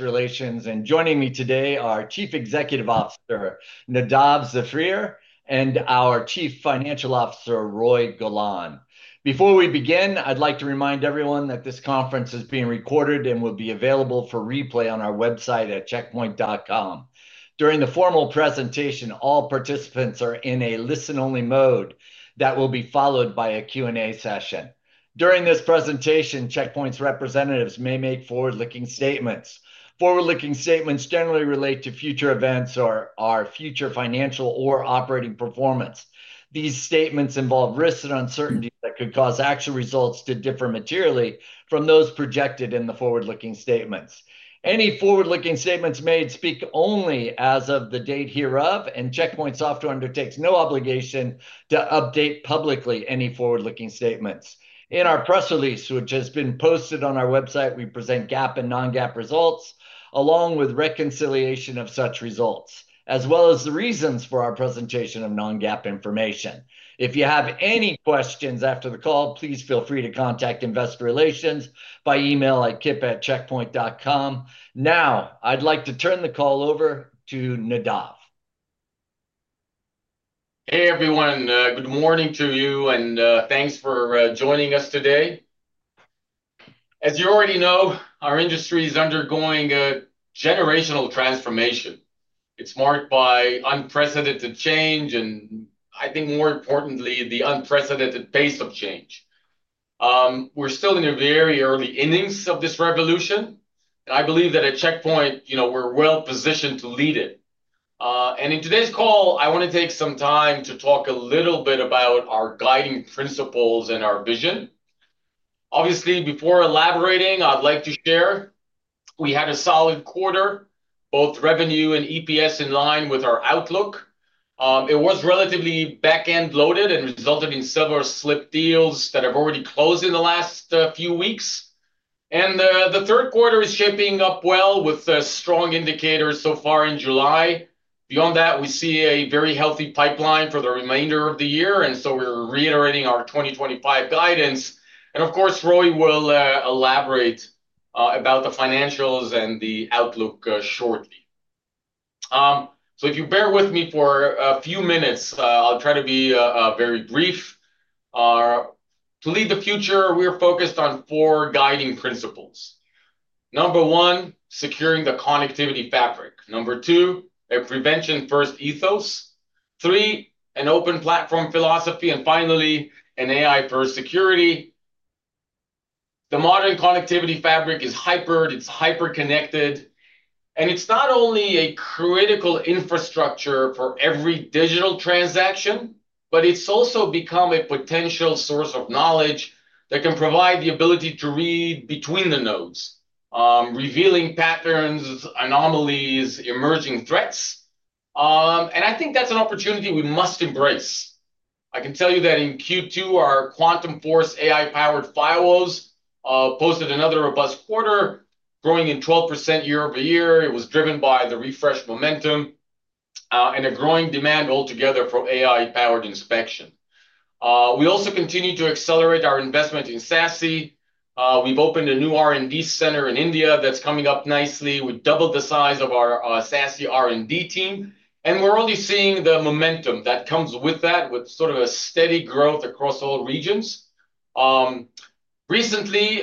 Relations and joining me today are our Chief Executive Officer Nadav Zafrir and our Chief Financial Officer Roei Golan. Before we begin, I'd like to remind everyone that this conference is being recorded and will be available for replay on our website at checkpoint.com. During the formal presentation, all participants are in a listen only mode that will be followed by a Q&A session. During this presentation, Check Point's representatives may make forward- looking statements. Forward-looking statements generally relate to future events or our future financial or operating performance. These statements involve risks and uncertainty that could cause actual results to differ materially from those projected in the forward-looking statements. Any forward-looking statements made speak only as of the date hereof and Check Point Software undertakes no obligation to update publicly any forward-looking statements. In our press release, which has been posted on our website, we present GAAP and non-GAAP results along with reconciliation of such results as well as the reasons for our presentation of non-GAAP information. If you have any questions after the call, please feel free to contact Investor Relations by email at kip@checkpoint.com. Now I'd like to turn the call over to Nadav. Hey everyone, good morning to you and thanks for joining us today. As you already know, our industry is undergoing a generational transformation. It's marked by unprecedented change and I think more importantly the unprecedented pace of change. We're still in the very early innings of this revolution and I believe that at Check Point, you know, we're well positioned to lead it. In today's call I want to take some time to talk a little bit about our guiding principles and our vision. Obviously, before elaborating, I'd like to share we had a solid quarter, both revenue and EPS in line with our outlook. It was relatively backend loaded and resulted in several slip deals that have already closed in the last few weeks. The third quarter is shaping up well with strong indicators so far in July. Beyond that, we see a very healthy pipeline for the remainder of the year and we are reiterating our 2025 guidance and of course Roei will elaborate about the financials and the outlook shortly. If you bear with me for a few minutes, I'll try to be very brief. To lead the future, we are focused on four guiding principles. Number one, securing the connectivity fabric. Number two, a prevention-first ethos. Three, an open platform philosophy, and finally, an AI for security. The modern connectivity fabric is hyper. It's hyperconnected, and it's not only a critical infrastructure for every digital transaction, but it's also become a potential source of knowledge that can provide the ability to read between the nodes, revealing patterns, anomalies, emerging threats. I think that's an opportunity we must embrace. I can tell you that in Q2, our Quantum Force AI-Powered Firewalls posted another robust quarter, growing 12% year-over-year. It was driven by the refresh momentum and a growing demand altogether for AI-powered inspection. We also continue to accelerate our investment in SASE. We've opened a new R&D center in India that's coming up nicely. We doubled the size of our SASE R&D team, and we're only seeing the momentum that comes with that with sort of a steady growth across all regions. Recently,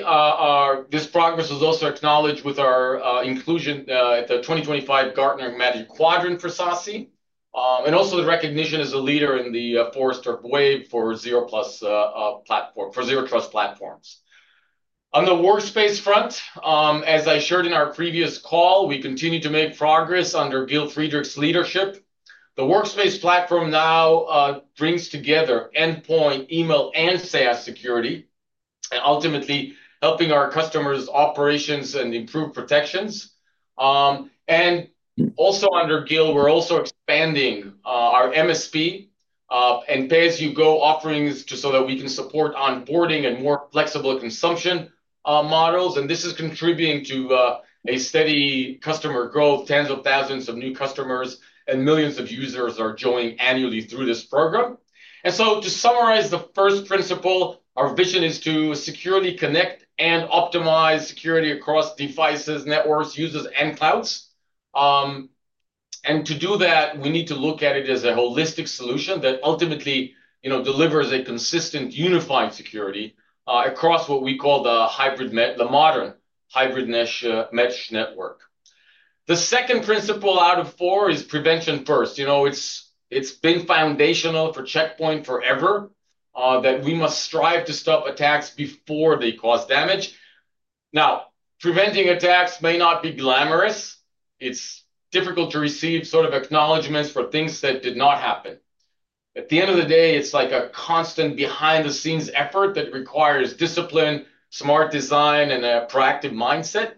this progress was also acknowledged with our inclusion at the 2025 Gartner Magic Quadrant for SASE and also the recognition as a leader in the Forrester Wave for Zero Trust platforms. On the Workspace front, as I shared in our previous call, we continue to make progress under Gil Friedrich's leadership. The Workspace platform now brings together endpoint, email, and SaaS security, ultimately helping our customers' operations and improve protections. Also under Gil, we're expanding our MSP and pay-as-you-go offerings so that we can support onboarding and more flexible consumption models. This is contributing to a steady customer growth. Tens of thousands of new customers and millions of users are joining annually through this program. To summarize the first principle, our vision is to securely connect and optimize security across devices, networks, users, and clouds. To do that, we need to look at it as a holistic solution that ultimately delivers a consistent, unified security across what we call the modern hybrid mesh network. The second principle out of four is prevention-first. You know, it's been foundational for Check Point forever that we must strive to stop attacks before they cause damage. Now, preventing attacks may not be glamorous. It's difficult to receive sort of acknowledgments for things that did not happen. At the end of the day, it's like a constant behind the scenes effort that requires discipline, smart design, and a proactive mindset.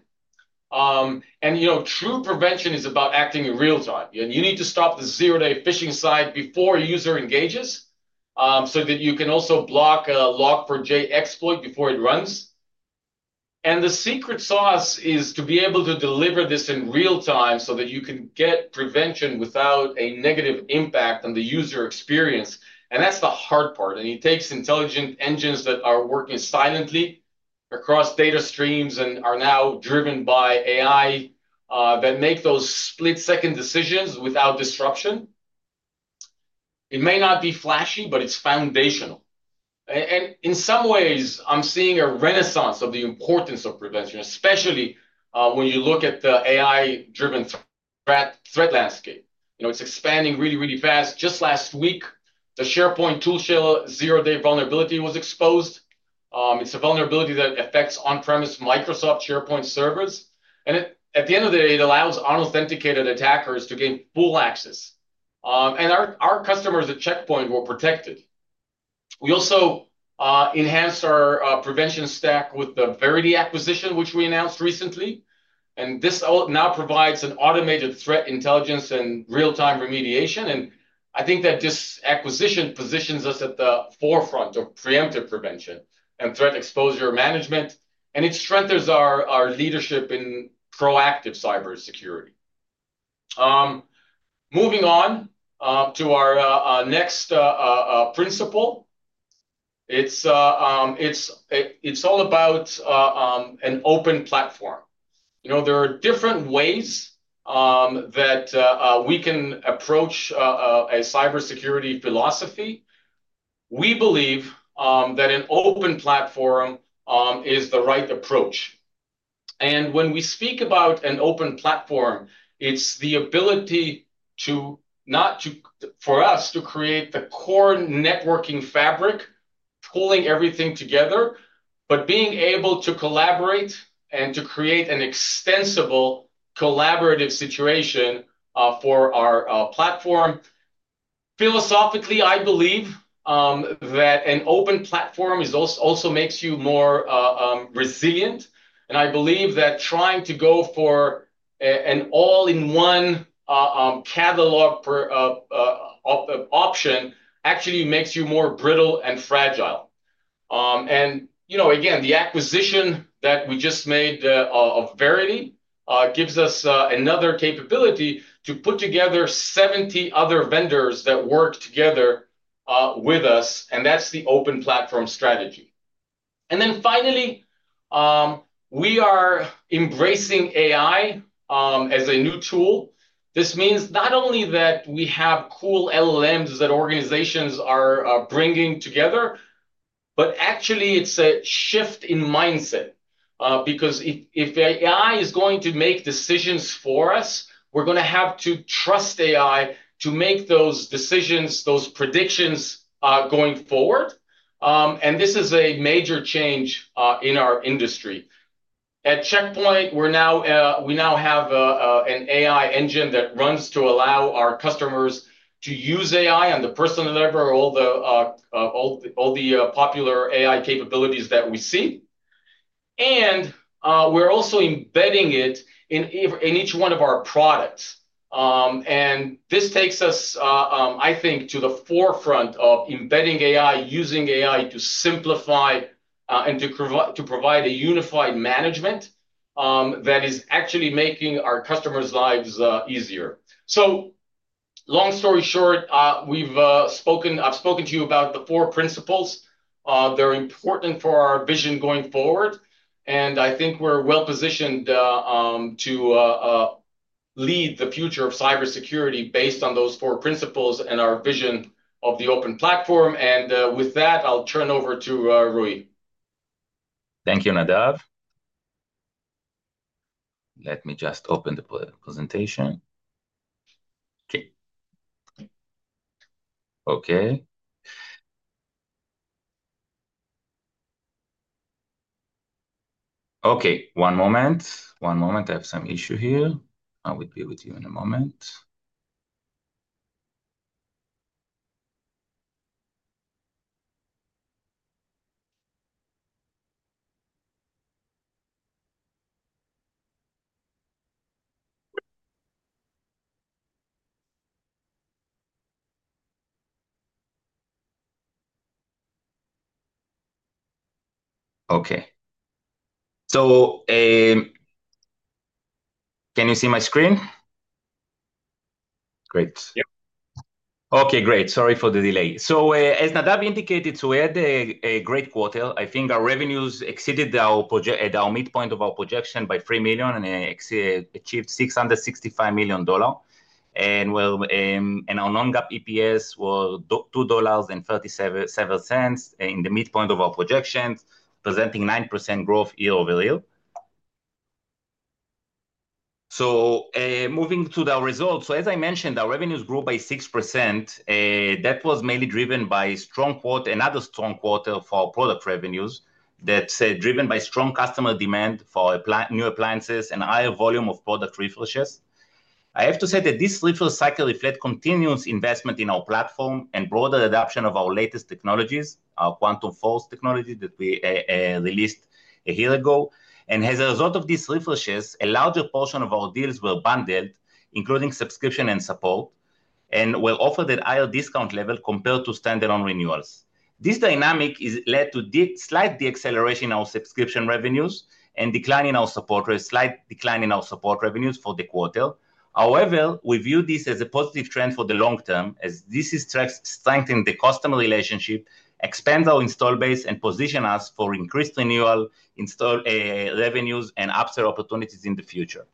True prevention is about acting in real time. You need to stop the zero-day phishing site before a user engages so that you can also block Log4j exploit before it runs. The secret sauce is to be able to deliver this in real time so that you can get prevention without a negative impact on the user experience. That's the hard part. It takes intelligent engines that are working silently across data streams and are now driven by AI that make those split-second decisions without disruption. It may not be flashy, but it's foundational. In some ways, I'm seeing a renaissance of the importance of prevention. Especially when you look at the AI driven threat landscape, you know, it's expanding really, really fast. Just last week, the SharePoint ToolShell zero-day vulnerability was exposed. It's a vulnerability that effects on premise Microsoft SharePoint servers, and at the end of the day it allows unauthenticated attackers to gain full access. Our customers at Check Point were protected. We also enhanced our prevention stack with the Veriti acquisition, which we announced recently. This now provides an automated threat intelligence and real time remediation. I think that this acquisition positions us at the forefront of preemptive prevention and threat exposure management, and it strengthens our leadership in proactive cybersecurity. Moving on to our next principle, it's all about an open platform. You know, there are different ways that we can approach a cybersecurity philosophy. We believe that an open platform is the right approach. When we speak about an open platform, it's the ability, not to, for us to create the core networking fabric, pulling everything together, but being able to collaborate and to create an extensible collaborative situation for our platform. Philosophically, I believe that an open platform also makes you more resilient. I believe that trying to go for an all-in-one catalog option actually makes you more brittle and fragile. You know, again, the acquisition that we just made of Veriti gives us another capability to put together 70 other vendors that work together with us. That's the open platform strategy. Finally, we are embracing AI as a new tool. This means not only that we have cool LLMs that organizations are bringing together, but actually it's a shift in mindset because if AI is going to make decisions for us, we're going to have to trust AI to make those decisions, those predictions going forward. This is a major change in our industry. At Check Point, we now have an AI engine that runs to allow our customers to use AI on the personal level. All the popular AI capabilities that we see, we're also embedding it in each one of our products. This takes us, I think, to the forefront of embedding AI, using AI to simplify and to provide a unified management that is actually making our customers' lives easier. Long story short, I've spoken to you about the four principles. They're important for our vision going forward and I think we're well positioned to lead the future of cybersecurity based on those four principles and our vision of the open platform. With that, I'll turn over to Roei. Thank you, Nadav. Let me just open the presentation. Okay. Okay, okay. One moment, one moment. I have some issue here. I will be with you in a moment. Okay. Can you see my screen? Great. Yup. Okay, great. Sorry for the delay. As Nadav indicated, we had a great quarter. I think our revenues exceeded our midpoint of our projection by $3 million and achieved $665 million. Our non-GAAP EPS were $2.37 in the midpoint of our projections presenting 9% growth year-over-year. Moving to the results, as I mentioned, our revenues grew by 6%. That was mainly driven by strong quarter, another strong quarter for product revenues that driven by strong customer demand for new appliances and higher volume of product refreshes. I have to say that this refresh cycle reflects continuous investment in our platform and broader adoption of our latest technologies, our Quantum Force technology that we released a year ago. As a result of these refreshes, a larger portion of our deals were bundled including subscription and support and were offered at higher discount level compared to standalone renewals. This dynamic has led to slight deceleration in our subscription revenues and declining our support. Slight decline in our support revenues for the quarter. However, we view this as a positive trend for the long term as this strengthens the customer relationship, expands our install base and positions us for increased renewal install revenues and upsell opportunities in the future.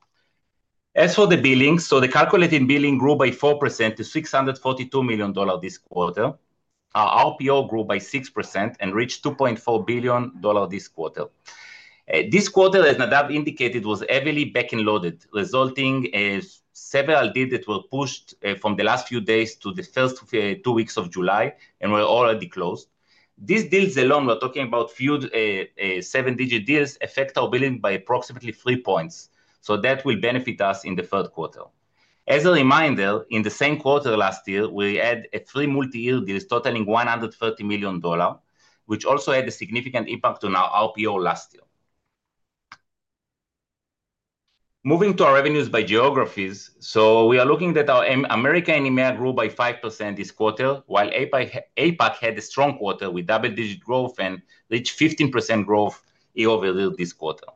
As for the billing, the calculated billing grew by 4% to $642 million this quarter. Our RPO grew by 6% and reached $2.4 billion this quarter. This quarter, as Nadav indicated, was heavily backend loaded resulting as several deals that were pushed from the last few days to the first two weeks of July and were already closed. These deals alone we're talking about few 7-digit deals affect our billing by approximately 3 points. That will benefit us in the third quarter. As a reminder, in the same quarter last year we had a three multi-year deal totaling $130 million which also had a significant impact on our RPO last year. Moving to our revenues by geographies, we are looking at our America and EMEA grew by 5% this quarter while APAC had a strong quarter with double digit growth and reached 15% growth year-over-year this quarter.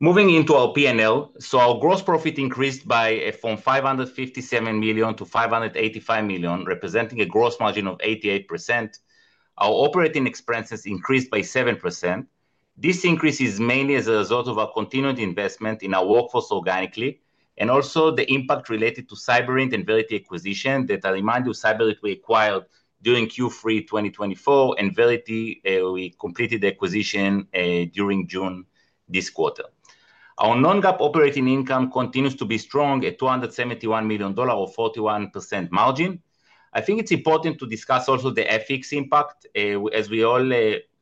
Moving into our P&L, our gross profit increased from $557 million to $585 million representing a gross margin of 88%. Our operating expenses increased by 7%. This increase is mainly as a result of our continued investment in our workforce organically and also the impact related to Cyberint and Veriti acquisition that I remind you Cyberint we acquired during Q3 2024 and Veriti we completed the acquisition during June this quarter. Our non-GAAP operating income continues to be strong at $271 million or 41% margin. I think it's important to discuss also the FX impact as we all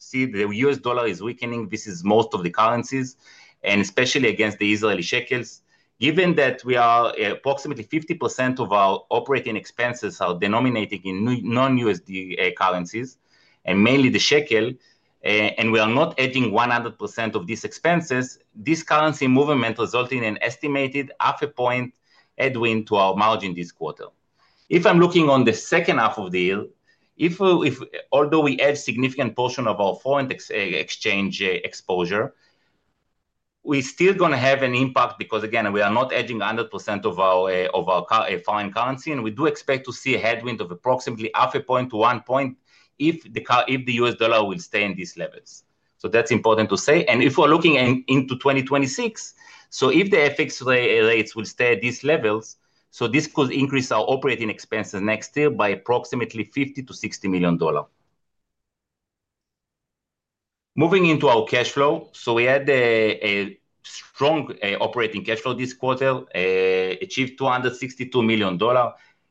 see the U.S. dollar is weakening. This is most of the currencies and especially against the Israeli shekel given that we are approximately 50% of our operating expenses are denominated in non-USD currencies and mainly the shekel and we are not adding 100% of these expenses. This currency movement resulting in an estimated half a point headwind to our margin this quarter. If I'm looking on the second half of the year, although we add significant portion of our foreign exchange exposure, we still going to have an impact because again we are not hedging 100% of our foreign currency and we do expect to see a headwind of approximately half a point to one point if the U.S. dollar will stay in these levels. That's important to say and if we're looking into 2026 if the FX rates will stay at these levels this could increase our operating expenses next year by approximately $50 million to $60 million. Moving into our cash flow, we had a strong operating cash flow this quarter, achieved $262 million,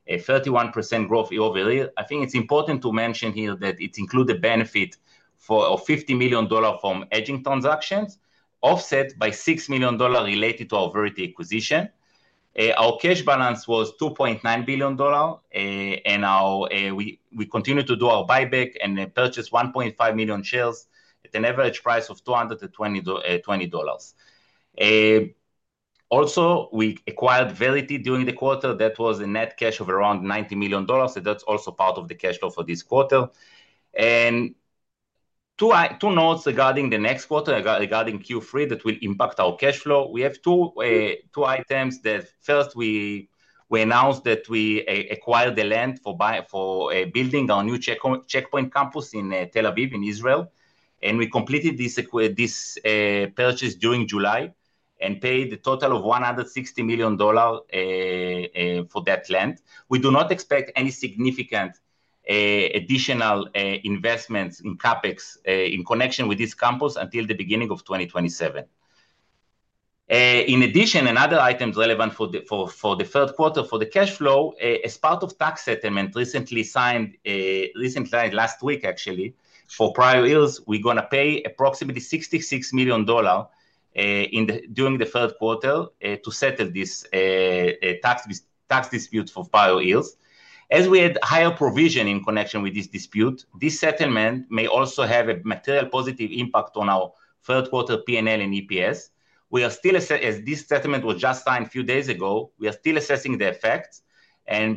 a 31% growth year-over-year. I think it's important to mention here that it includes the benefit of $50 million from hedging transactions offset by $6 million related to our Veriti acquisition. Our cash balance was $2.9 billion and we continue to do our buyback and purchase 1.5 million shares at an average price of $220. Also, we acquired Veriti during the quarter that was a net cash of around $90 million. That's also part of the cash flow for this quarter and two notes regarding the next quarter regarding Q3 that will impact our cash flow, we have two items. First, we announced that we acquired the land for building our new Check Point campus in Tel Aviv in Israel and we completed this purchase during July and paid a total of $160 million for that land. We do not expect any significant additional investments in CapEx in connection with this campus until the beginning of 2027. In addition, and other items relevant for the third quarter for the cash flow as part of tax settlement recently signed recently last week actually for prior years, we're going to pay approximately $66 million during the third quarter to settle this tax disputes for prior years as we had higher provision in connection with this dispute. This settlement may also have a material positive impact on our third quarter P&L and EPS. We are still as this settlement was just signed few days ago, we are still assessing the effects.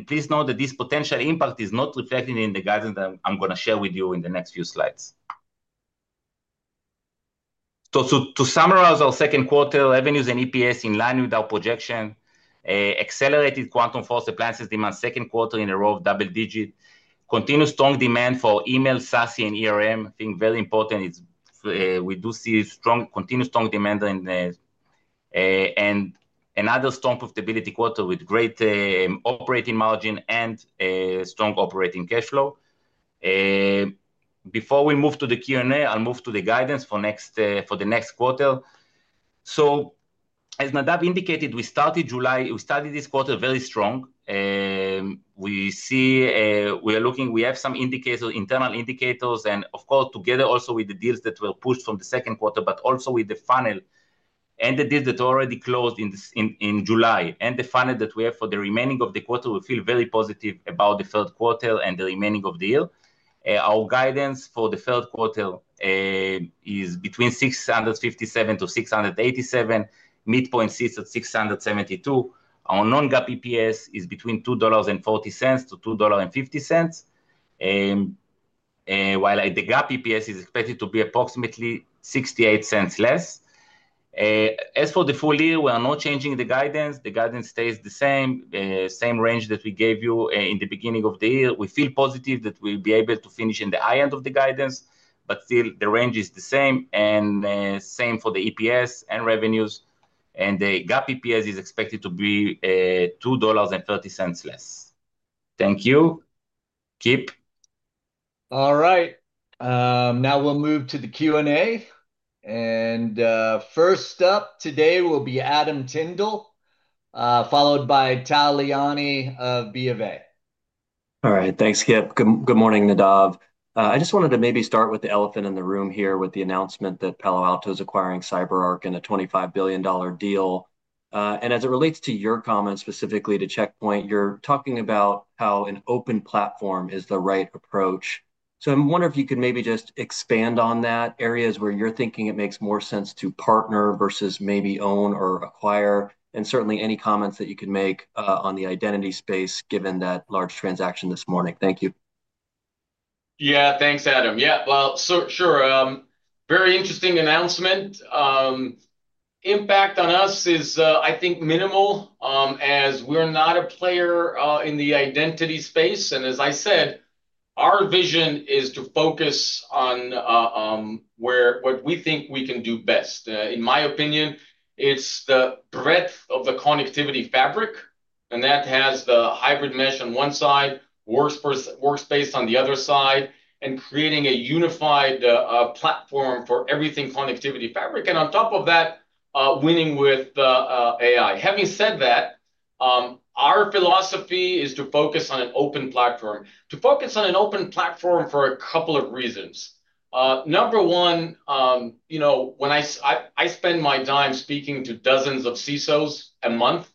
Please note that this potential impact is not reflected in the guidance that I'm going to share with you in the next few slides. To summarize our second quarter, revenues and EPS in line with our projection, accelerated Quantum Force appliances demand, second quarter in a row of double digit, continued strong demand for email, SASE, and ERM, I think very important, we do see strong, continued strong demand and another strong profitability quarter with great operating margin and strong operating cash flow. Before we move to the Q&A, I'll move to the guidance for the next quarter. As Nadav indicated, we started July, we started this quarter very strong. We see, we are looking, we have some indicators, internal indicators and of course together also with the deals that were pushed from the second quarter, but also with the funnel and the deal that already closed in July and the funnel that we have for the remaining of the quarter, we feel very positive about the third quarter and the remaining of the year. Our guidance for the third quarter is between $657-$687 million. Midpoint sits at $672 million. Our non-GAAP EPS is between $2.40-$2.50 while the GAAP EPS is expected to be approximately $0.68 less. As for the full year, we are not changing the guidance. The guidance stays the same, same range that we gave you in the beginning of the year. We feel positive that we'll be able to finish in the high end of the, but still the range is the same and same for the EPS and revenues and the GAAP EPS is expected to be $2.30 less. Thank you, Kip. All right, now we'll move to the Q&A and first up today will be Adam Tindle followed by Tal Liani of BofA. All right, thanks Kip. Good morning Nadav. I just wanted to maybe start with the elephant in the room here with the announcement that Palo Alto is acquiring CyberArk in a $25 billion deal. As it relates to your comments specifically to Check Point, you're talking about how an open platform is the right approach. I wonder if you could maybe just expand on that, areas where you're thinking it makes more sense to partner versus maybe own or acquire. Certainly, any comments that you can make on the identity space, given that large transaction this morning. Thank you. Yeah, thanks, Adam. Yeah, sure. Very interesting announcement. Impact on us is, I think, minimal as we're not a player in the identity space. As I said, our vision is to focus on what we think we can do best. In my opinion, it's the breadth of the connectivity fabric and that has the hybrid mesh on one side, Workspace on the other side, and creating a unified platform for everything. Connectivity fabric. On top of that, winning with AI. Having said that, our philosophy is to focus on an open platform. To focus on an open platform for a couple of reasons. Number one, I spend my time speaking to dozens of CISOs a month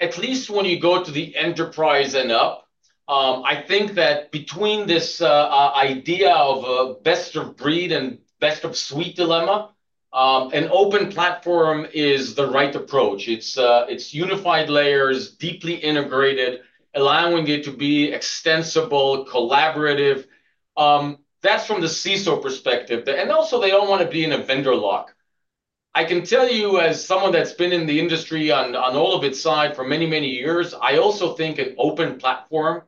at least. When you go to the enterprise and up, I think that between this idea of best of breed and best of suite dilemma, an open platform is the right approach. It's unified layers, deeply integrated, allowing it to be extensible, collaborative. That's from the CISO perspective. Also, they don't want to be in a vendor lock. I can tell you, as someone that's been in the industry on all of its side for many, many years, I also think an open platform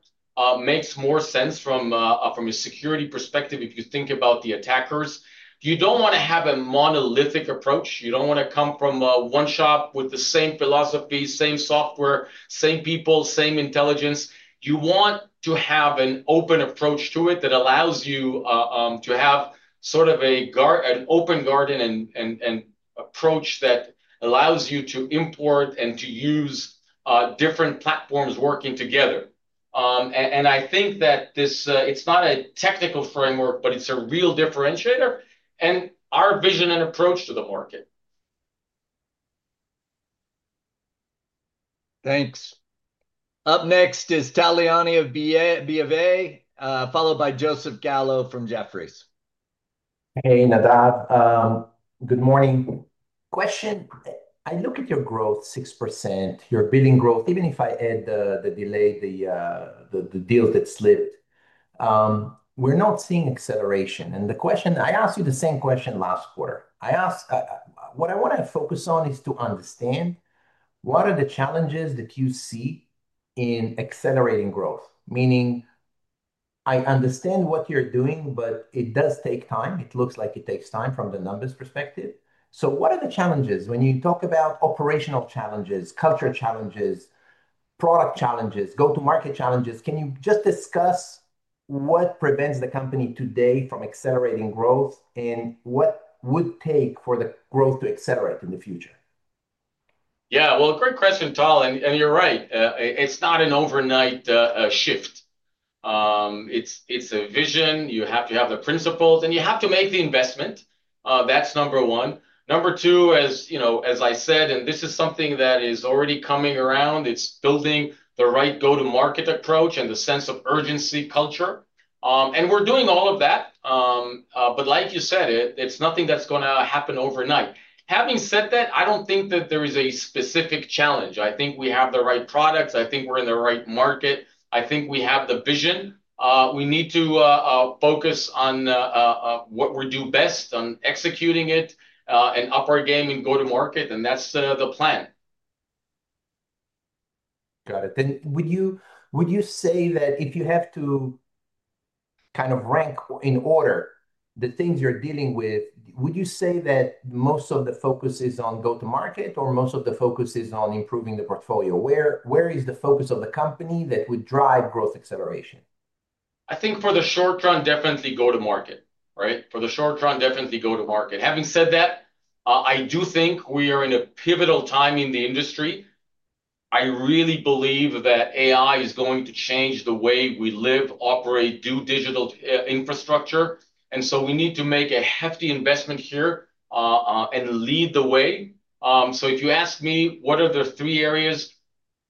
makes more sense from a security perspective. If you think about the attackers, you don't want to have a monolithic approach. You don't want to come from one shop with the same philosophy, same software, same people, same intelligence. You want to have an open approach to it that allows you to have sort of an open garden and approach that allows you to import and to use different platforms, working together. I think that this, it's not a technical framework, but it's a real differentiator and our vision and approach to the market. Thanks. Up next is Tal Liani of BofA, followed by Joseph Gallo from Jefferies. Hey, Nadav. Good morning. Question. I look at your growth, 6%, your billing growth. Even if I add the delay, the deals that slipped, we're not seeing acceleration. The question, I asked you the same question last quarter. I ask, what I want to focus on is to understand what are the challenges that you see in accelerating growth? Meaning I understand what you're doing, but it does take time. It looks like it takes time from the numbers' perspective. What are the challenges? When you talk about operational challenges, culture challenges, product challenges, go-to-market challenges. Can you just discuss what prevents the company today from accelerating growth and what would take for the growth to accelerate in the future? Yeah, great question. Tal, and you're right, it's not an overnight shift. It's a vision. You have to have the principles and you have to make the investment. That's number one. Number two, as you know, as I said, and this is something that is already coming around, it's building the right go-to-market approach and the sense of urgency, culture, and we're doing all of that. Like you said, it's nothing that's going to happen overnight. Having said that, I don't think that there is a specific challenge. I think we have the right products, I think we're in the right market. I think we have the vision. We need to focus on what we do best, on executing it and up our game and go-to-market. That's the plan. Got it. Would you say that if you have to kind of rank in order? The things you're dealing with, would you say that most of the focus is on go-to market or most of the focus is on improving the portfolio? Where, where is the focus of the company that would drive growth acceleration? I think for the short run, definitely go-to market. Right? For the short run, definitely go-to market. Having said that, I do think we are in a pivotal time in the industry. I really believe that AI is going to change the way we live, operate, do digital infrastructure. We need to make a hefty investment here and lead the way. If you ask me, what are the three areas?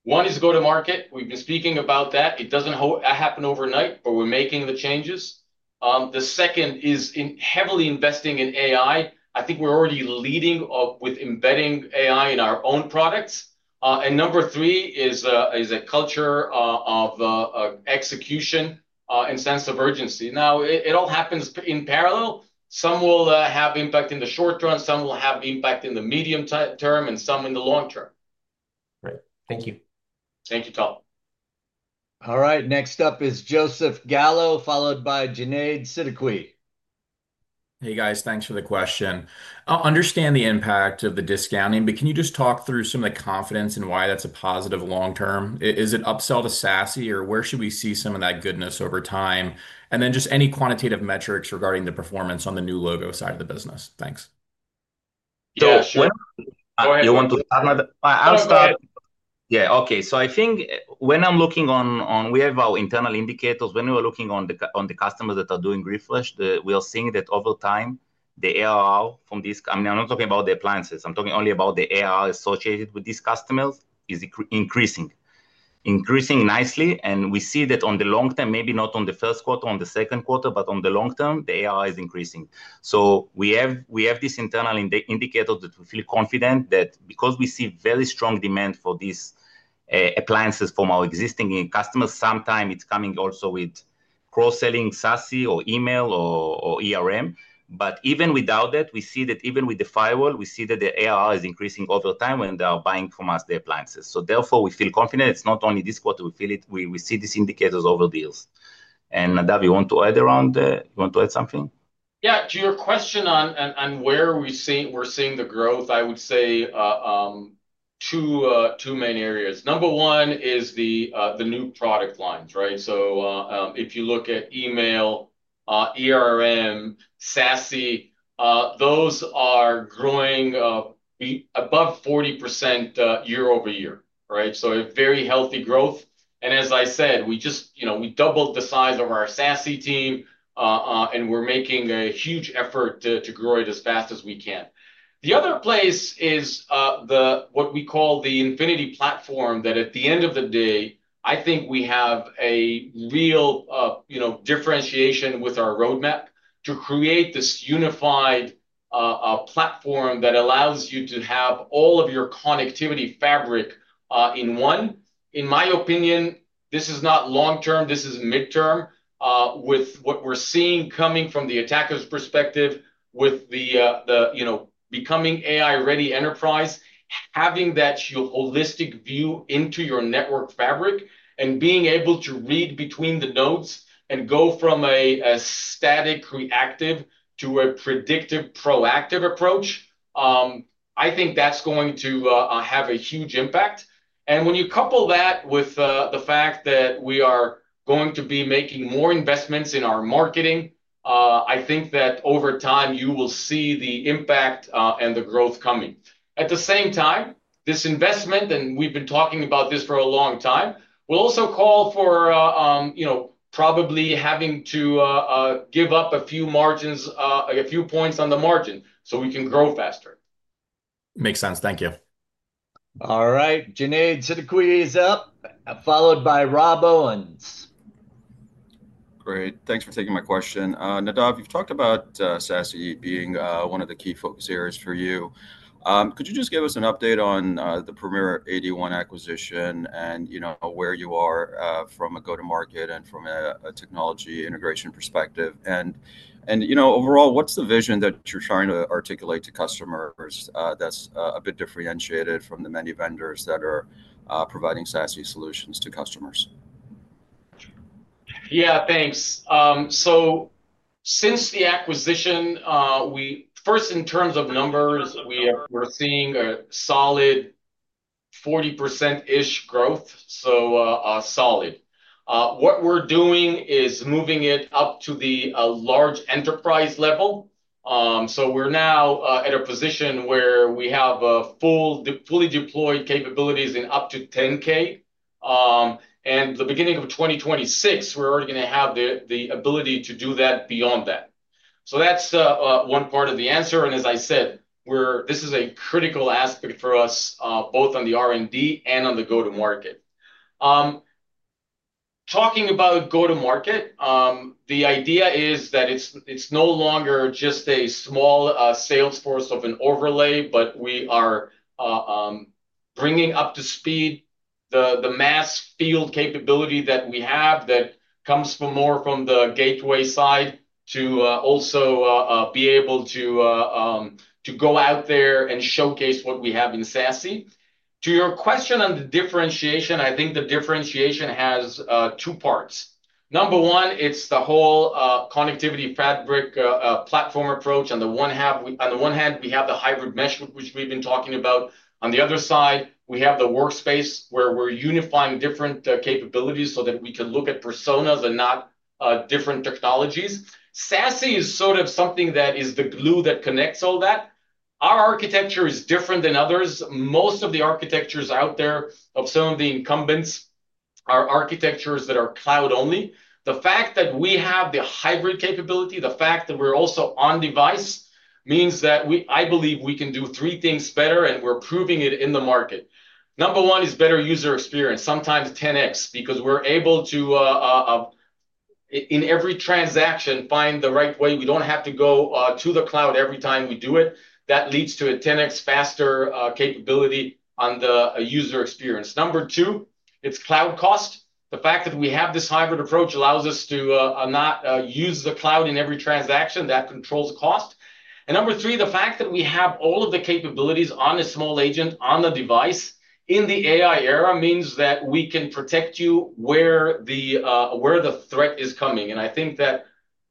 One is go-to market. We have been speaking about that. It does not happen overnight, but we are making the changes. The second is in heavily investing in AI. I think we are already leading with embedding AI in our own products. Number three is a culture of execution and sense of urgency. It all happens in parallel. Some will have impact in the short run, some will have impact in the medium term, and some in the long term. Great, thank you. Thank you, Tom. All right, next up is Joseph Gallo, followed by Junaid Siddiqui. Hey guys, thanks for the question. I understand the impact of the discounting, but can you just talk through some of the confidence and why that is a positive long term? Is it upsell to SASE or where should we see some of that goodness over time? And then just any quantitative metrics regarding the performance on the new logo side of the business. Thanks. Yeah. Okay, so I think when I'm looking on, on we have our internal indicators when we were looking on the, on the customers that are doing refresh, we are seeing that over time. The AR from this, I mean, I'm not talking about the appliances, I'm talking only about the AR associated with these customers, is increasing, increasing nicely. And we see that on the long term, maybe not on the first quarter, on the second quarter, but on the long term the AR is increasing. We have, we have this internal indicator that we feel confident that because we see very strong demand for these appliances from our existing customers, sometime it's coming also with cross selling SASE or email or ERM, but even without that, we see that even with the firewall, we see that the AR is increasing over time when they are buying from us, the appliances. Therefore, we feel confident it's not only in this quarter, we feel it, we see these indicators over deals. And Nadav, you want to add around it? You want to add something? Yeah. To your question on where we see, we're seeing the growth, I would say two main areas. Number one is the new product lines, right? If you look at email, ERM, SASE, those are growing above 40% year-over-year, right. A very healthy growth. As I said, we just, you know, we doubled the size of our SASE team and we're making a huge effort to grow it as fast as we can. The other place is what we call the Infinity Platform that at the end of the day, I think we have a real, you know, differentiation with our roadmap to create this unified platform that allows you to have all of your connectivity fabric in one. In my opinion, this is not long term, this is midterm with what we're seeing coming from the attacker's perspective, with the, you know, becoming AI ready enterprise, having that holistic view into your network fabric and being able to read between the nodes and go from a static reactive to a predictive proactive approach, I think that's going to have a huge impact. When you couple that with the fact that we are going to be making more investments in our marketing, I think that over time you will see the impact and the growth coming at the same time. This investment, and we've been talking about this for a long time, will also call for, you know, probably having to give up a few margins, a few points on the margin so we can grow faster. Makes sense. Thank you. All right, Junaid Siddiqui is up, followed by Rob Owens. Great, thanks for taking my question. Nadav, you've talked about SASE being one of the key focus areas for you. Could you just give us an update on the Perimeter 81 acquisition and you know where you are from a go-to market and from a technology integration perspective and, and you know, overall, what's the vision that you're trying to articulate to customers that's a bit differentiated from the many vendors that are providing SASE solutions to customers? Yeah, thanks. So since the acquisition, we first in terms of numbers, we're seeing a solid 40%-ish growth. So solid, what we're doing is moving it up to the large enterprise level. So we're now at a position where we have fully deployed capabilities in up to 10,000. And the beginning of 2026, we're already going to have the ability to do that beyond that. So that's one part of the answer. And as I said, this is a critical aspect for us both on the R&D and on the go-to-market. Talking about go-to-market, the idea is that it's no longer just a small sales force of an overlay, but we are bringing up to speed the mass field capability that we have that comes more from the gateway side to also be able to go out there and showcase what we have in SASE. To your question on the differentiation, I think the differentiation has two parts. Number one, it's the whole connectivity fabric platform approach. On the one hand, we have the hybrid mesh, which we've been talking about. On the other side, we have the Workspace where we're unifying different capabilities so that we can look at personas and not different technologies. SASE is sort of something that is the glue that connects all that. Our architecture is different than others. Most of the architectures out there of some of the incumbents are architectures that are cloud only. The fact that we have the hybrid capability, the fact that we're also on device, means that I believe we can do three things better and we're proving it in the market. Number one is better user experience, sometimes 10x, because we're able to in every transaction find the right way. We don't have to go to the cloud every time we do it. That leads to a 10x faster capability on the user experience. Number two, it's cloud cost. The fact that we have this hybrid approach allows us to not use the cloud in every transaction that controls cost. And number three, the fact that we have all of the capabilities on a small agent on the device in the AI era means that we can protect you where the threat is coming. I think that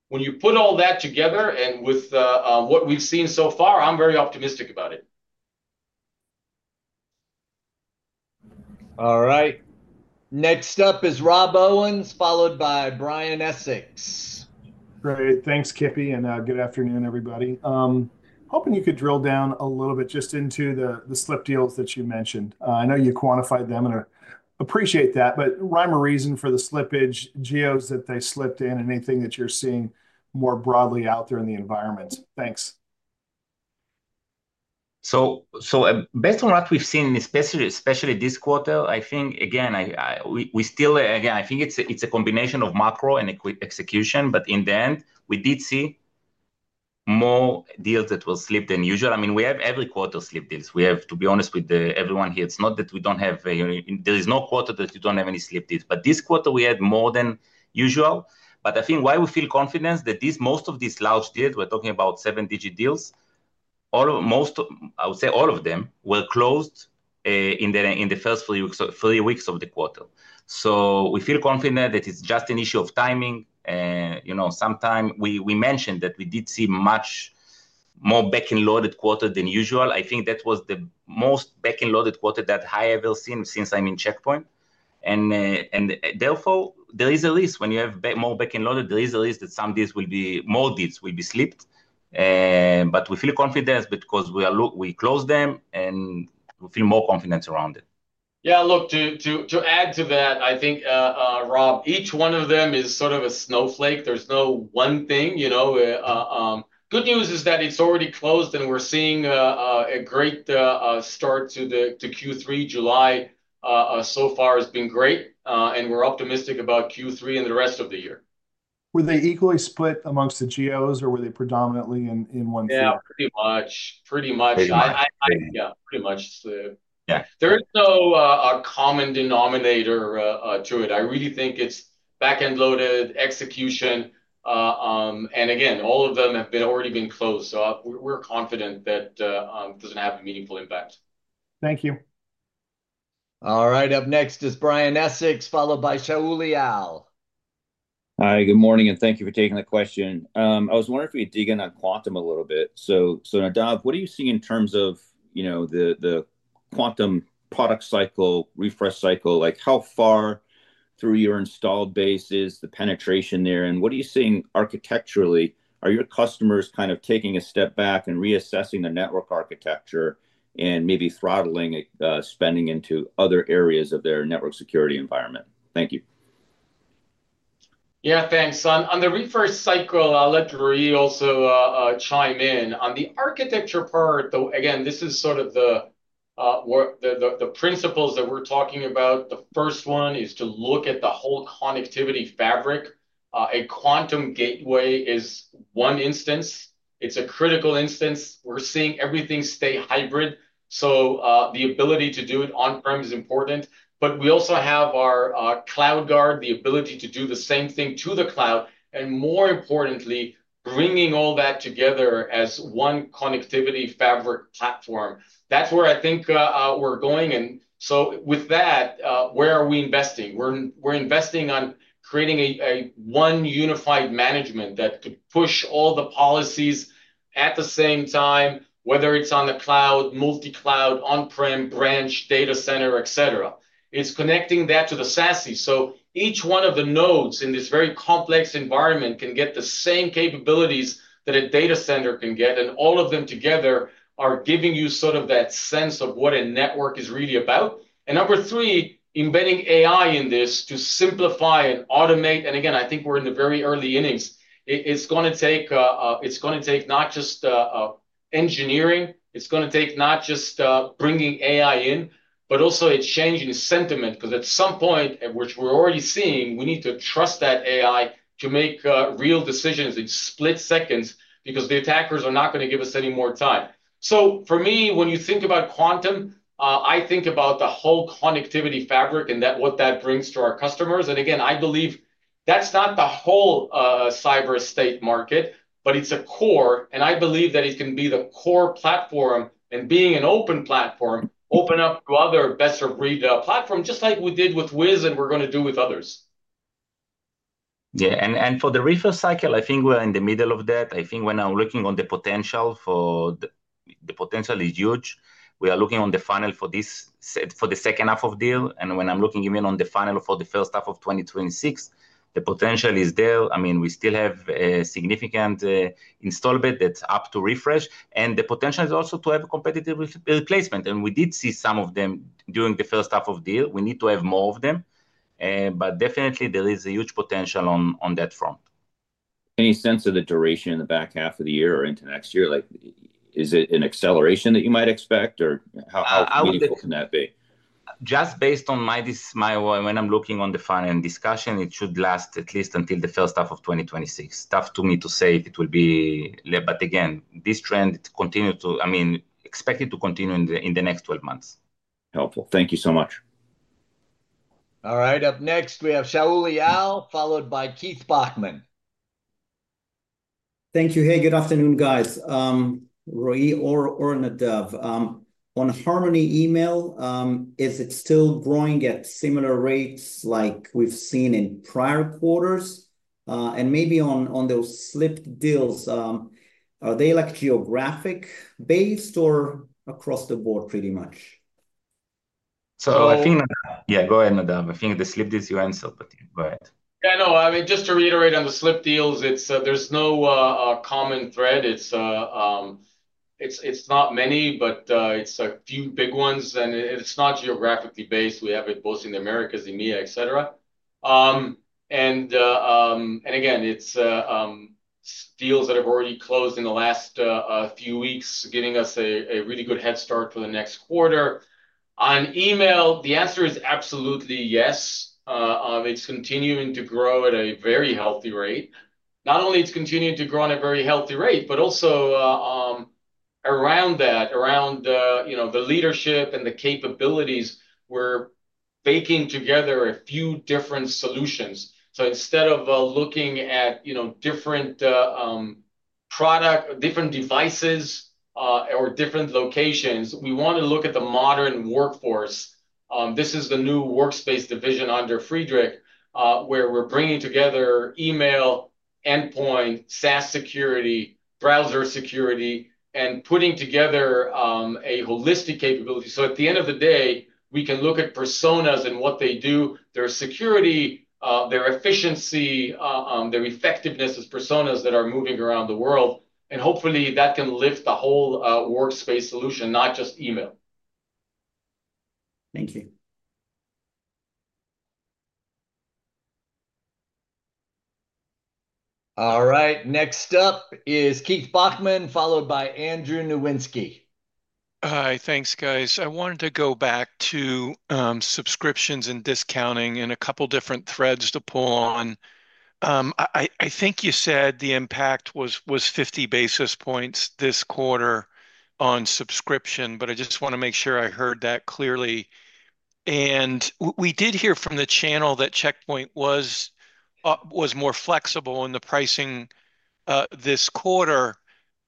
when you put all that together and with what we've seen so far, I'm very optimistic about it. All right, next up is Rob Owens, followed by Brian Essex. Great. Thanks Kippy and good afternoon everybody. Hoping you could drill down a little bit just into the slip deals that you mentioned. I know you quantified them and appreciate that but rhyme or reason for the slippage, geos that they slipped in, and anything that you're seeing more broadly out there in the environment. Thanks. Based on what we've seen, especially this quarter, I think again it's a combination of macro and execution. In the end, we did see more deals that were slipped than usual. I mean, we have every quarter slip deals. We have to be honest with everyone here, it's not that we don't have, there is no quarter that you don't have any slip deals. This quarter we had more than usual. I think why we feel confident that these, most of these large deals, we're talking about 7-digit deals, I would say all of them were closed in the first three weeks, three weeks of the quarter. We feel confident that it's just an issue of timing, you know, sometime we, we mentioned that we did see much more backend loaded quarter than usual. I think that was the most backend loaded quarter that I have ever seen since I'm in Check Point, and therefore there is a risk when you have more backend loaded. There is a risk that some deals will be, more deals will be slipped, but we feel confident because we close them and we feel more confident around it. Yeah, look to add to that, I think Rob, each one of them is sort of a snowflake. There's no one thing. Good news is that it's already closed and we're seeing a great start to Q3. July so far has been great and we're optimistic about Q3 and the rest of the year. Were they equally split amongst the geos or were they predominantly in one? Yeah, pretty much. Pretty much, yeah. There is no common denominator to it. I really think its back end loaded execution and again all of them have already been closed. So we're confident that doesn't have a meaningful impact. Thank you. All right, up next is Brian Essex, followed by Shaul Eyal. Hi, good morning and thank you for taking the question. I was wondering if we could dig in on Quantum a little bit. Nadav, what do you see in terms of, you know, the Quantum product cycle, refresh cycle, like how far through your installed base is the penetration there and what are you seeing architecturally? Are your customers kind of taking a step back and reassessing the network architecture and maybe throttling spending into other areas of their network security environment? Thank you. Yeah, thanks. On the refresh cycle, I'll let Roei also chime in on the architecture part though. Again, this is sort of the principles that we're talking about. The first one is to look at the whole connectivity fabric. A Quantum gateway is one instance. It's a critical instance. We're seeing everything stay hybrid. The ability to do it on prem is important. We also have our CloudGuard, the ability to do the same thing to the cloud and more importantly, bringing all that together as one connectivity fabric platform. That's where I think we're going. With that, where are we investing? We're investing on creating one unified management that could push all the policies at the same time, whether it's on the cloud, multi-cloud, on prem, branch, data center, et cetera. It's connecting that to the SASE. Each one of the nodes in this very complex environment can get the same capabilities that a data center can get. All of them together are giving you sort of that sense of what a network is really about. Number three, embedding AI in this to simplify and automate. Again, I think we're in the very early innings. It's going to take not just engineering, it's going to take not just bringing AI in, but also a change in sentiment because at some point, which we're already seeing, we need to trust that AI to make real decisions in split-seconds because the attackers are not going to give us any more time. For me, when you think about Quantum, I think about the whole connectivity fabric and what that brings to our customers. Again, I believe that's not the whole cyber state market, but it's a core and I believe that it can be the core platform and being an open platform, open up to other better breed platform, just like we did with Wiz and we're going to do with others. Yeah, and for the refresh cycle, I think we're in the middle of that. I think when I'm looking on the potential for, the potential is huge. We are looking on the funnel for this for the second half of deal and when I'm looking even on the funnel for the first half of 2026, the potential is there. I mean we still have a significant installment that's up to refresh and the potential is also to have a competitive replacement and we did see some of them during the first half of the year. We need to have more of them. Definitely there is a huge potential on that front. Any sense of the duration in the back half of the year or into next year? Like is it an acceleration that you might expect or how meaningful can that be? Just based on my, this, my when I'm looking on the funnel and discussion, it should last at least until the first half of 2026. Tough to me to say if it will be, but again, this trend continue to, I mean, expect it to continue in the next 12 months. Helpful. Thank you so much. All right, up next we haveShaul Eyal, followed by Keith Bachman. Thank you. Hey, good afternoon guys. Roei or Nadav on Harmony Email, is it still growing at similar rates like we've seen in prior quarters? Maybe on those slipped deals, are they like geographic based or across the board pretty much. I think, yeah, go ahead Nadav. I think the slip is your answer, but go ahead. Yeah, no, I mean just to reiterate on the slip deals, there's no common thread. It's not many but it's a few big ones and it's not geographically based. We have it both in the Americas, EMEA, etc., and again it's deals that have already closed in the last few weeks giving us a really good head start for the next quarter. On email, the answer is absolutely yes. It's continuing to grow at a very healthy rate. Not only is it continuing to grow at a very healthy rate, but also around that, around the leadership and the capabilities. We're baking together a few different solutions. Instead of looking at different products, different devices or different locations, we want to look at the modern workforce. This is the new Workspace division under Friedrich where we're bringing together email, endpoint, SaaS security, browser security and putting together a holistic capability. At the end of the day we can look at personas and what they do, their security, their efficiency, their effectiveness as personas that are moving around the world and hopefully that can lift the whole Workspace solution, not just email. Thank you. All right, next up is Keith Bachman followed by Andrew Nowinski. Hi, thanks guys. I wanted to go back to subscriptions and discounting and a couple different threads to pull on. I think you said the impact was 50 basis points this quarter on subscription, but I just want to make sure I heard that clearly and we did hear from the channel that Check Point was more flexible in the pricing this quarter.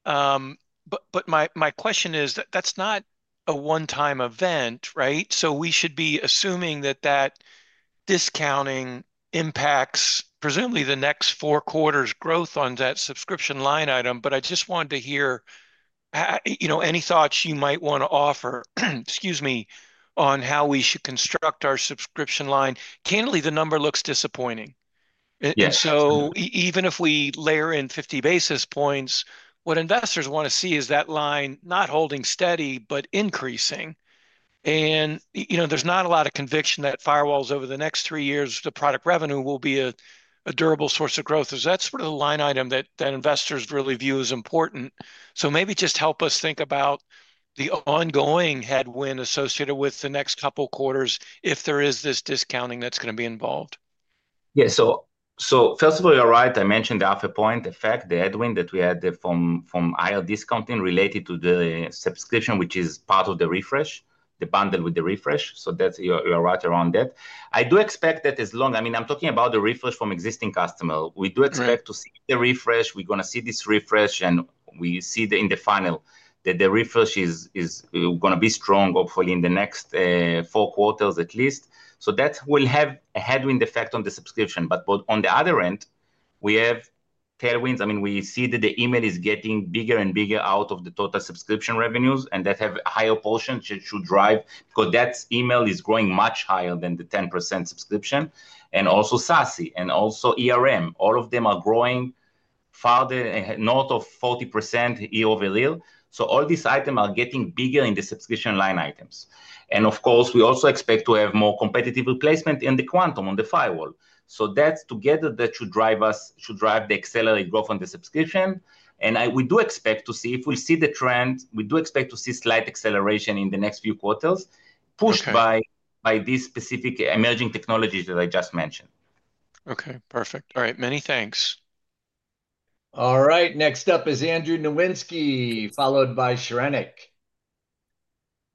My question is that that's not a one-time event, right? We should be assuming that that discounting impacts presumably the next four quarters' growth on that subscription line item. I just wanted to hear any thoughts you might want to offer. Excuse me. On how we should construct our subscription line. Candidly, the number looks disappointing. Even if we layer in 50 basis points, what investors want to see is that line not holding steady but increasing. You know, there's not a lot of conviction that firewalls over the next three years, the product revenue will be a durable source of growth. Is that sort of the line item that investors really view as important? Maybe just help us think about the ongoing headwind associated with the next couple quarters if there is this discounting that's going to be involved. Yeah, so first of all, you're right I mentioned the half point effect. The headwind that we had from aisle discounting related to the subscription which is part of the refresh, the bundle with the refresh. You're right around that. I do expect that as long, I mean I'm talking about the refresh from existing customer. We do expect to see the refresh. We're gonna see this refresh and we see in the final that the refresh is going to be strong hopefully in the next four quarters at least. That will have a headwind effect on the subscription. On the other end we have tailwinds. I mean we see that the email is getting bigger and bigger out of the total subscription revenues and that has higher portions. It should drive because that email is growing much higher than the 10% subscription. Also SASE and also, ERM, all of them are growing farther north of 40% year-over-year. All these items are getting bigger in the subscription line items. Of course we also expect to have more competitive replacement in the quantum on the firewall. Together that should drive us, should drive the accelerate growth on the subscription. I, we do expect to see if we'll see the trend. We do expect to see slight acceleration in the next few quarters pushed by these specific emerging technologies that I just mentioned. Okay, perfect. All right, many thanks. All right, next up is Andrew Nowinski followed by Shrenik.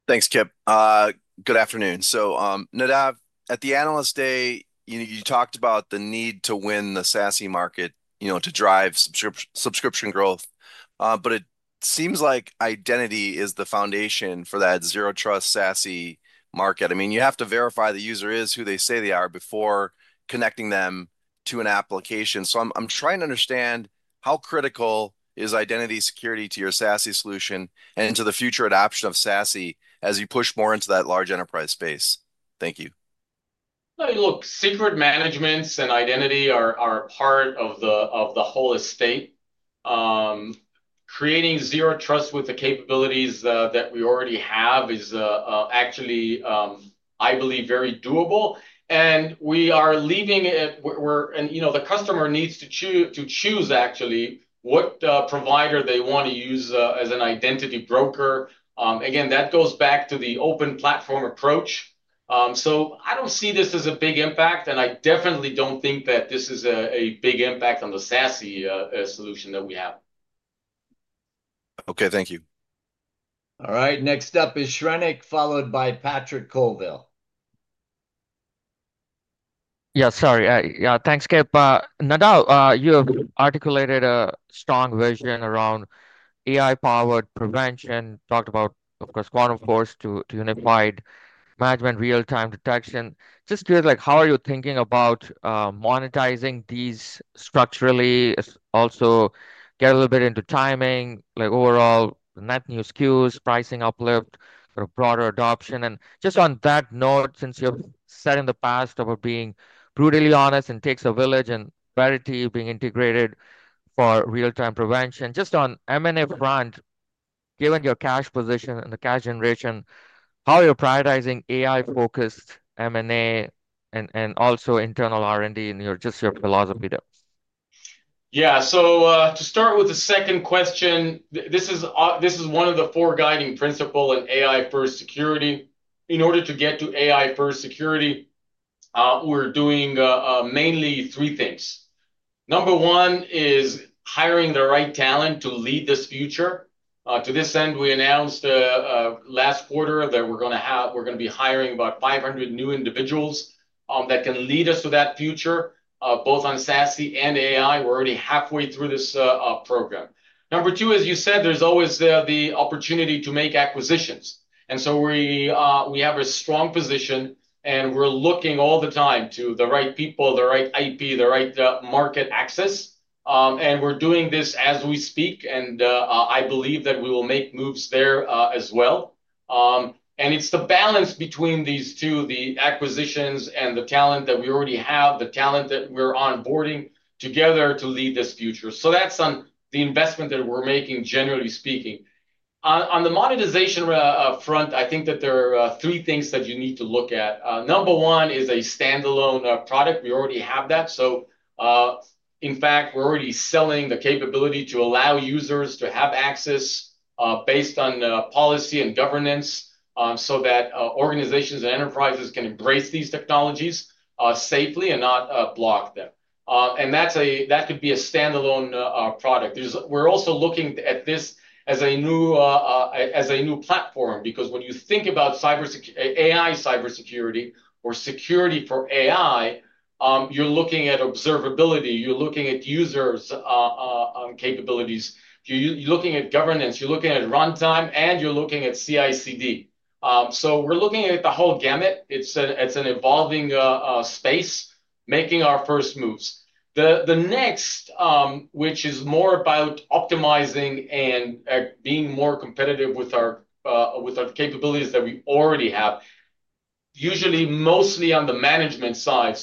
Thanks, Kip. Good afternoon. Nadav, at the analyst day you talked about the need to win the SASE market, you know, to drive subscription growth. But it seems like identity is the foundation for that Zero Trust SASE market. I mean you have to verify the user is who they say they are before connecting them to an application. I'm trying to understand how critical is identity security to your SASE solution and to the future adoption of SASE as you push more into that large enterprise space? Thank you. Look, secret management and identity are a part of the whole estate. Creating Zero Trust with the capabilities that we already have is actually, I believe, very doable and we are leaving it and, you know, the customer needs to choose actually what provider they want to use as an identity broker. Again, that goes back to the open platform approach. I do not see this as a big impact and I definitely do not think that this is a big impact on the SASE solution that we have. Okay, thank you. All right, next up is Shrenik, followed by Patrick Colville. Yeah, sorry. Yeah, thanks. Kip, Nadav, you have articulated a strong vision around AI-powered prevention. Talked about, of course, Quantum Force to unified management, real-time detection. Just curious, like how are you thinking about monetizing these structurally? Also get a little bit into timing, like overall net new SKUs, pricing, uplift, broader adoption. And just on that note, since you've said in the past about being brutally honest and takes a village and rarity being integrated for real time prevention. Just on M&A front, given your cash position and the cash generation, how you're prioritizing AI-focused M&A and, and also internal R&D in your, just your philosophy there? Yeah. To start with the second question, this is one of the four guiding principles in AI First Security. In order to get to AI First Security, we're doing mainly three things. Number one is hiring the right talent to lead this future. To this end, we announced last quarter that we're going to be hiring about 500 new individuals that can lead us to that future, both on SASE and AI. We're already halfway through this program. Number two, as you said, there's always the opportunity to make acquisitions. We have a strong position and we're looking all the time to the right people, the right IP, the right market access. We're doing this as we speak. I believe that we will make moves there as well. It's the balance between these two, the acquisitions and the talent that we already have, the talent that we're onboarding together to lead this future. That's on the investment that we're making. Generally speaking, on the monetization front, I think that there are three things that you need to look at. Number one is a standalone product. We already have that. In fact, we're already selling the capability to allow users to have access based on policy and governance so that organizations and enterprises can embrace these technologies safely and not block them. That could be a standalone product. We're also looking at this as a new platform because when you think about AI, cybersecurity or security for AI, you're looking at observability, you're looking at users' capabilities, you're looking at governance, you're looking at runtime, and you're looking at CICD. We're looking at the whole gamut. It's an evolving space, making our first moves. The next, which is more about optimizing and being more competitive with our capabilities that we already have, usually mostly on the management side.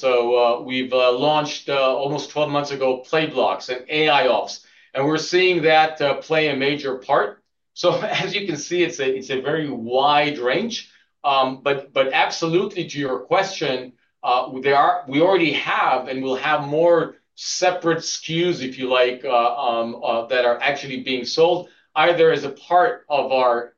We've launched almost 12 months ago Playblocks and AIOps, and we're seeing that play a major part. As you can see, it's a very wide range. Absolutely, to your question, we already have, and we'll have more separate SKUs, if you like, that are actually being sold either as a part of our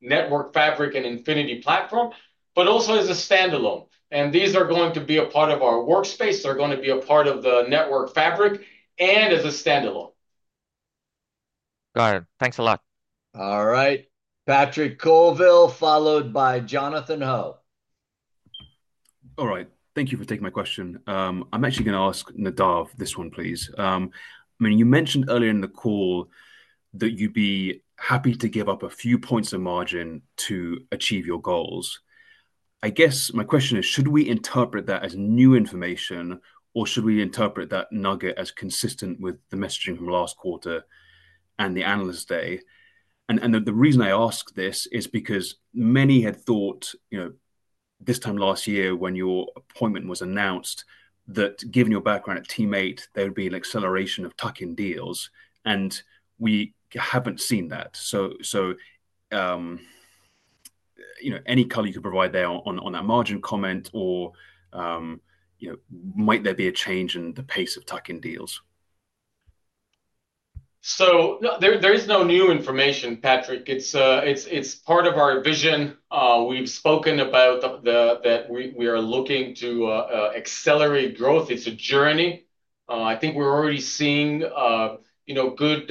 network fabric and Infinity consolidated platform, but also as a standalone. These are going to be a part of our Workspace platform, they're going to be a part of the network fabric, and as a standalone. Got it. Thanks a lot. All right, Patrick Colville, followed by Jonathan Ho. All right, thank you for taking my question. I'm actually going to ask Nadav this one, please. I mean, you mentioned earlier in the call that you'd be happy to give up a few points of margin to achieve your goals. I guess my question is should we interpret that as new information or should we interpret that nugget as consistent with the messaging from last quarter and the analyst day. The reason I ask this is because many had thought, you know, this time last year when your appointment was announced, that given your background at Team8, there would be an acceleration of tuck in deals and we haven't seen that. You know, any color you could provide there on that margin comment or, you know, might there be a change in the pace of tuck-in deals? So there is no new information, Patrick, it's part of our vision. We've spoken about that. We are looking to accelerate growth. It's a journey. I think we're already seeing good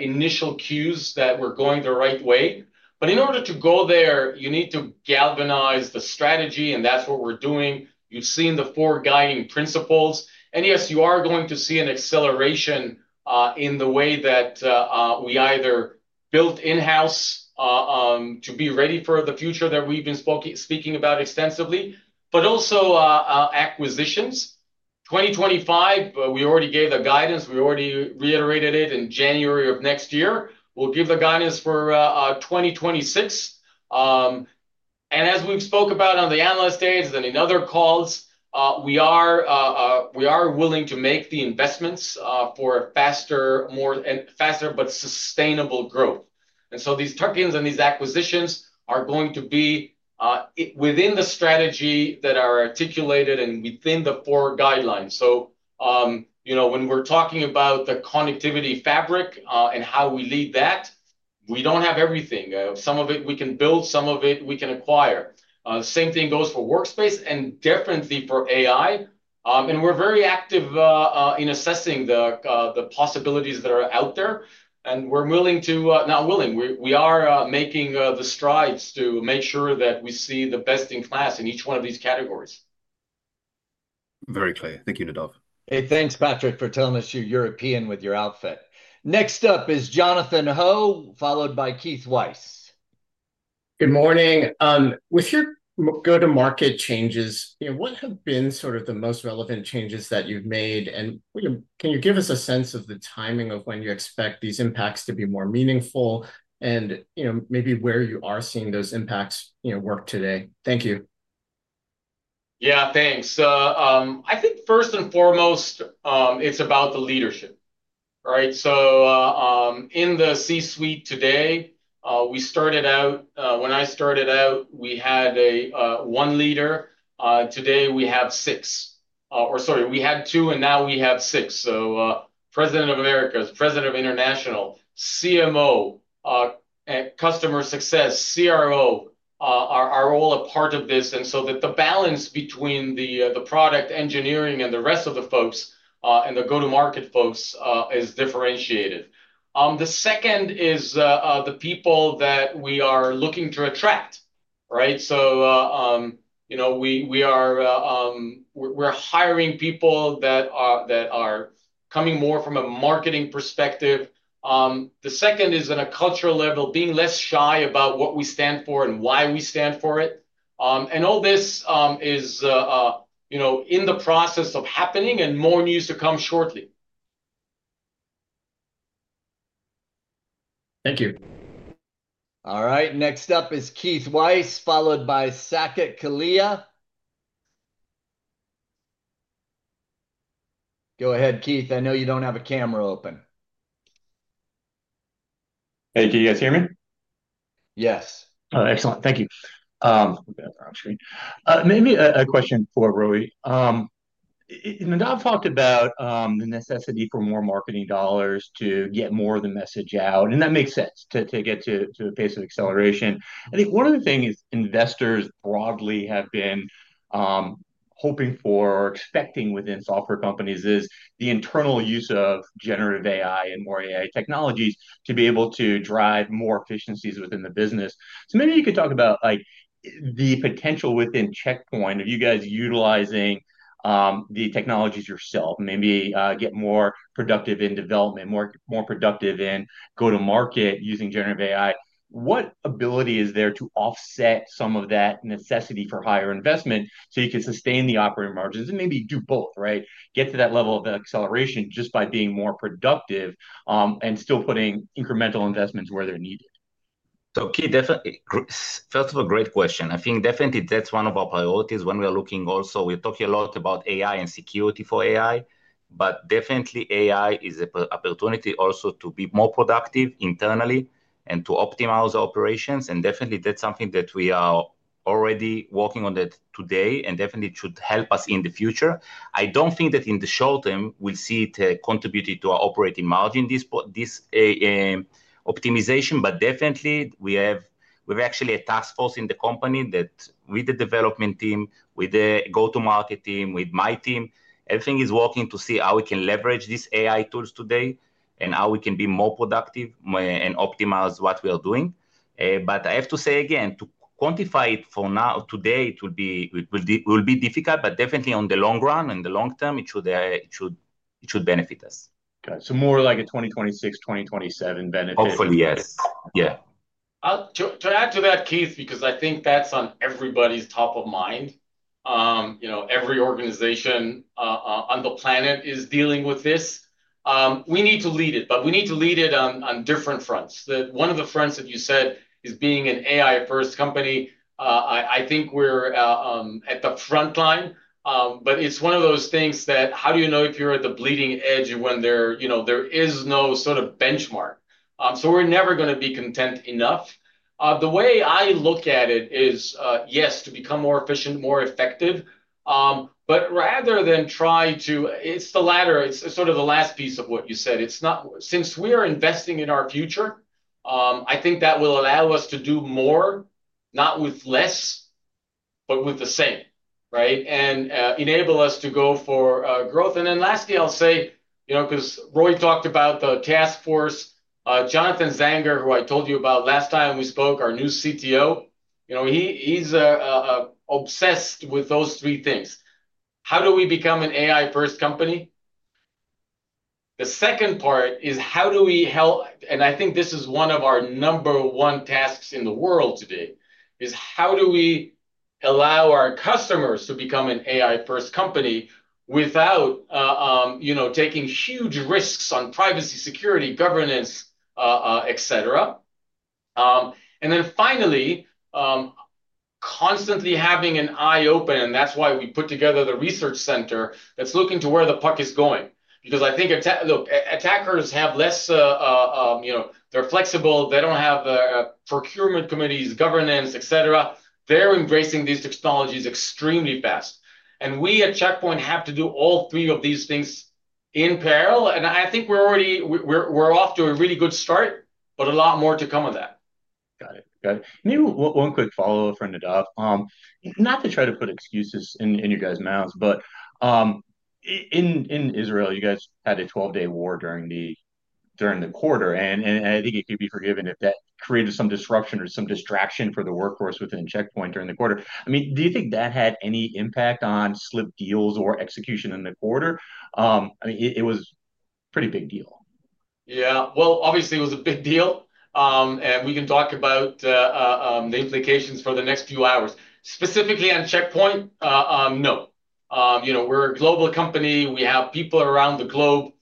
initial cues that we're going the right way. In order to go there, you need to galvanize the strategy, and that's what we're doing. You've seen the four guiding principles, and yes, you are going to see an acceleration in the way that we either build in-house to be ready for the future that we've been speaking about extensively, but also acquisitions. For 2025, we already gave the guidance, we already reiterated it in January of next year. We'll give the guidance for 2026. As we've spoken about on the analyst days and in other calls, we are willing to make the investments for a faster, more, faster but sustainable growth. These tuck-ins and these acquisitions are going to be within the strategy that are articulated and within the four guidelines. You know, when we're talking about the connectivity fabric and how we lead that, we don't have everything. Some of it we can build, some of it we can acquire. Same thing goes for Workspace and definitely for AI. We're very active in assessing the possibilities that are out there. We're willing to—not willing—we are making the strides to make sure that we see the best in class in each one of these categories. Very clear. Thank you, Nadav. Hey, thanks Patrick, for telling us you're European with your outfit. Next up is Jonathan Ho, followed by Keith Weiss. Good morning. With your go-to-market changes, what have been sort of the most relevant changes that you've made? And can you give us a sense of the timing of when you expect these impacts to be more meaningful and maybe where you are seeing those impacts work today? Thank you. Yeah, thanks. I think first and foremost it's about the leadership. All right, so in the C-suite today we started out, when I started out, we had one leader. Today we have six, or sorry, we had two and now we have six. So President of Americas, President of International, CMO, Customer Success, CRO are all a part of this. And so the balance between the product engineering and the rest of the folks and the go-to-market folks is differentiated. The second is the people that we are looking to attract, right. So, you know, we are hiring people that are coming more from a marketing perspective. The second is on a cultural level, being less shy about what we stand for and why we stand for it. And all this is, you know, in the process of happening. More news to come shortly. Thank you. All right, next up is Keith Weiss, followed by Saket Kalia. Go ahead, Keith. I know you don't have a camera open. Hey, can you guys hear me? Yes. Excellent, thank you. Maybe a question for Roei. Nadav talked about the necessity for more marketing dollars to get more of the message out and that makes sense to get to a pace of acceleration. I think one of the things investors broadly have been hoping for or expecting within software companies is the internal use of generative AI and more AI technologies to be able to drive more efficiencies within the business. So maybe you could talk about the potential within Check Point of you guys utilizing the technologies yourself. Maybe get more productive in development, more productive in go-to-market using generative AI. What ability is there to offset some of that necessity for higher investment so you can sustain the operating margins and maybe do both, right. Get to that level of acceleration just by being more productive and still putting incremental investments where they're needed. First of all, great question. I think definitely that's one of our priorities when we are looking. Also, we're talking a lot about AI and security for AI. Definitely, AI is an opportunity also to be more productive internally and to optimize operations. That is something that we are already working on today and it should help us in the future. I don't think that in the short term we'll see it contribute to our operating margin. This is optimization, but we have. We're actually a task force in the company with the development team, with the go-to-market team, with my team, everything is working to see how we can leverage these AI tools today and how we can be more productive and optimize what we are doing. I have to say again, to quantify it for now today will be difficult, but in the long run, in the long term it should benefit us. More like a 2026, 2027 benefit? Hopefully. Yes. Yeah. To add to that, Keith, because I think that's on everybody's top of mind. You know, every organization on the planet is dealing with this. We need to lead it, but we need to lead it on different fronts. One of the fronts that you said is being an AI first company. I think we're at the front line, but it's one of those things that, how do you know if you're at the bleeding edge when there, you know, there is no sort of benchmark. So we're never going to be content enough. The way I look at it is yes, to become more efficient, more effective, but rather than try to, it's the latter. It's sort of the last piece of what you said. It's not. Since we are investing in our future, I think that will allow us to do more, not with less, but with the same. Right. And enable us to go for growth. Lastly, I'll say, you know, because Roei talked about the task force, Jonathan Zanger, who I told you about last time we spoke, our new CTO, you know, he's obsessed with those three things. How do we become an AI first company? The second part is how do we help, and I think this is one of our number one tasks in the world today, is how do we allow our customers to become an AI first company without, you know, taking huge risks on privacy, security, governance, etc. And then finally, constantly having an eye open. That is why we put together the research center that's looking to where the puck is going. I think attackers have less, you know, they're flexible, they don't have procurement committees, governance, etc. They're embracing these technologies extremely fast. We at Check Point have to do all three of these things in parallel. I think we're already, we're off to a really good start, but a lot more to come of that. Got it, got it. Maybe one quick follow up for Nadav. Not to try to put excuses in your guys' mouths, but in Israel you guys had a 12-day war during the quarter. I think it could be forgiven if that created some disruption or some distraction for the Workforce within Check Point during the quarter. I mean, do you think that had any impact on slip deals or execution in the quarter? I mean, it was a pretty big deal. Yeah, obviously it was a big deal and we can talk about the implications for the next few hours. Specifically on Check Point, no, you know, we're a global company, we have people around the globe.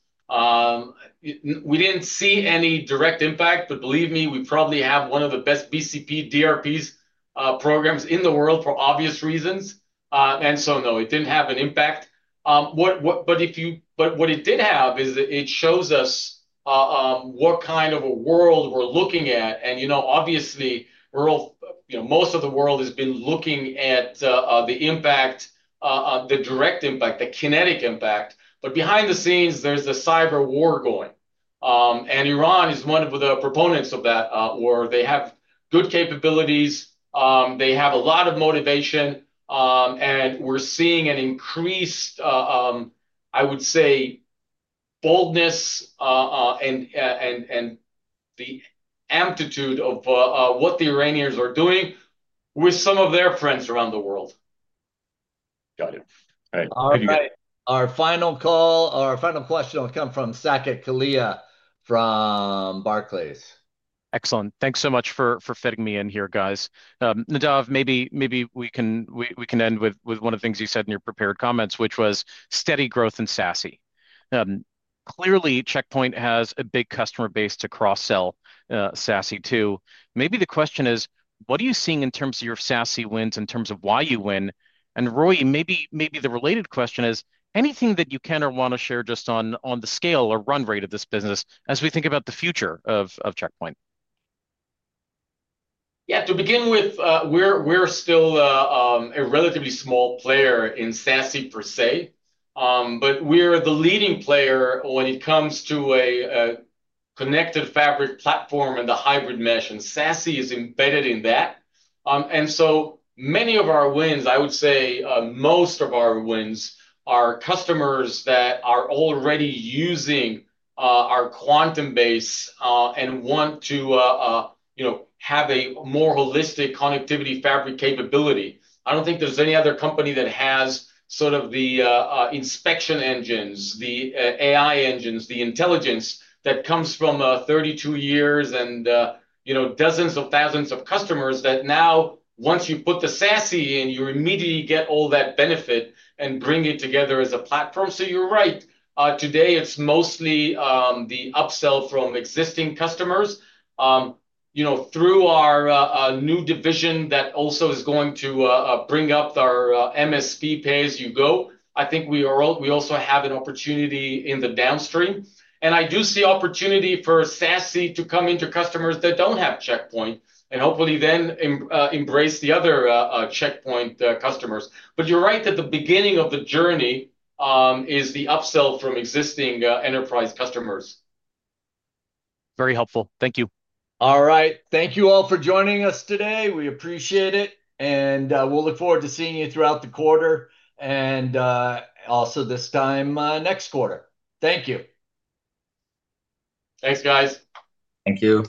We didn't see any direct impact, but believe me, we probably have one of the best BCP DRP programs in the world for obvious reasons. No, it didn't have an impact, but what it did have is it shows us what kind of a world we're looking at. You know, obviously we all know most of the world has been looking at the impact, the direct impact, the kinetic impact, but behind the scenes there's a cyber war going and Iran is one of the proponents of that war. They have good capabilities, they have a lot of motivation and we're seeing an increased, I would say, boldness and the amplitude of what the Iranians are doing with some of their friends around the world. Got it. All right, our final call, our final question will come from Saket Kalia from Barclays. Excellent. Thanks so much for fitting me in here, guys. Nadav, maybe, maybe we can, we can end with, with one of the things you said in your prepared comments, which was steady growth in SASE. Clearly Check Point has a big customer base to cross sell SASE to. Maybe the question is, what are you seeing in terms of your SASE wins, in terms of why you win? And Roei, maybe the related question is anything that you can or want to share just on the scale or run rate of this business. As we think about the future of Check Point. Yeah, to begin with, we're still a relatively small player in SASE per se, but we are the leading player when it comes to a connected fabric platform and the hybrid mesh and SASE is embedded in that. Many of our wins, I would say most of our wins, are customers that are already using our Quantum base and want to, you know, have a more holistic connectivity fabric capability. I do not think there is any other company that has sort of the inspection engines, the AI engines, the intelligence that comes from 32 years and dozens of thousands of customers that now once you put the SASE in, you immediately get all that benefit and bring it together as a platform. You are right. Today it is mostly the upsell from existing customers, you know, through our new division that also is going to bring up our MSP pay as you go. I think we are all. We also have an opportunity in the downstream and I do see opportunity for SASE to come into customers that do not have Check Point and hopefully then embrace the other Check Point customers. You are right that the beginning of the journey is the upsell from existing enterprise customers. Very helpful. Thank you. All right, thank you all for joining us today. We appreciate it and we will look forward to seeing you throughout the quarter and also this time next quarter. Thank you. Thanks, guys. Thank you.